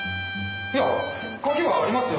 いや鍵はありますよ